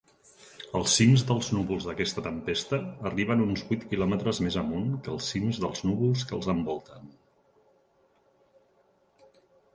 Els cims dels núvols d'aquesta tempesta arriben uns vuit kilòmetres més amunt que els cims dels núvols que els envolten.